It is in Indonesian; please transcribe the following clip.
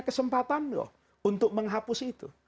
kesempatan loh untuk menghapus itu